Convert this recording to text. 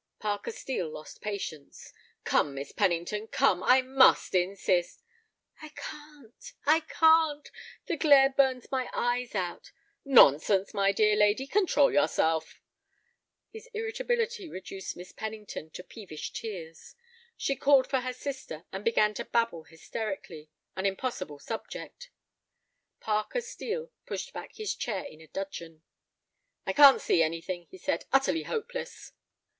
Parker Steel lost patience. "Come, Miss Pennington, come; I must insist—" "I can't, I can't, the glare burns my eyes out." "Nonsense, my dear lady, control yourself—" His irritability reduced Miss Pennington to peevish tears. She called for her sister, and began to babble hysterically, an impossible subject. Parker Steel pushed back his chair in a dudgeon. "I can't see anything," he said; "utterly hopeless."